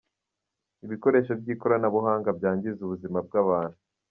Ibikoresho by’ikoranabuhanga byangiza ubuzima bw’abantu